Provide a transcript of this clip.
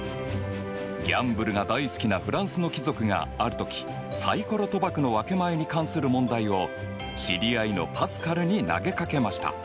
ギャンブルが大好きなフランスの貴族がある時サイコロ賭博の分け前に関する問題を知り合いのパスカルに投げかけました。